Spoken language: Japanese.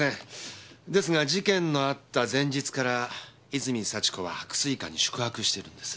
ですが事件のあった前日から泉幸子は白水館に宿泊してるんです。